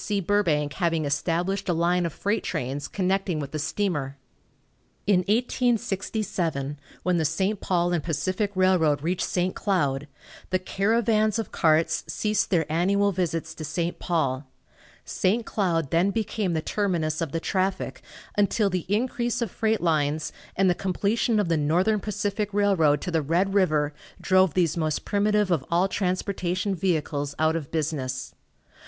C. Burbank having established a line of freight trains connecting with the steamer. In 1867, when the St. Paul & Pacific Railroad reached St. Cloud, the caravans of carts ceased their annual visits to St. Paul. St. Cloud then became the terminus of the traffic, until the increase of freight lines and the completion of the Northern Pacific Railroad to the Red river drove these most primitive of all transportation vehicles out of business.